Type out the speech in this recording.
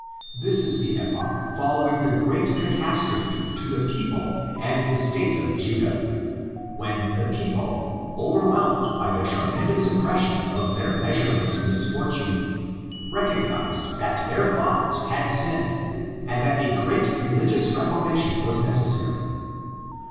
This is the epoch following the great catastrophe to the people and the state of Judah, when the people, overwhelmed by the tremendous impression of their measureless misfortune, recog nised that their fathers had sinned, and that a great religious reformation was necessary.